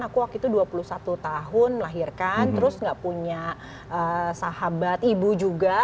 aku waktu itu dua puluh satu tahun melahirkan terus gak punya sahabat ibu juga